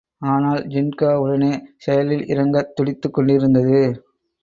ஆனால், ஜின்கா உடனே செயலில் இறங்கத் துடித்துக்கொண்டிருந்தது.